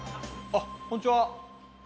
あっこんにちは。